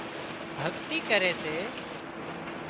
ڀڳتي ڪري سي